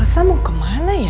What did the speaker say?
elsa mau kemana ya